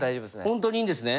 本当にいいんですね。